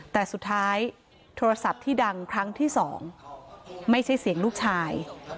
แต่สุดท้ายโทรศัพท์ที่ดังครั้งที่สองไม่ใช่เสียงลูกชาย